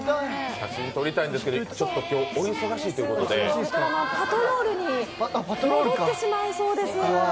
写真撮りたいんですけど、今日、お忙しいということでパトロールに戻ってしまうそうです。